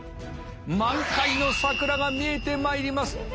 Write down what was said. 満開の桜が見えてまいります。